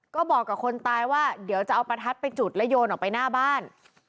ก็บอกกับคนตายว่าเดี๋ยวจะเอาประทัดไปจุดแล้วโยนออกไปหน้าบ้าน